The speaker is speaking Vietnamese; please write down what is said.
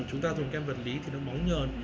chúng ta dùng kem vật lý thì nó bóng nhờn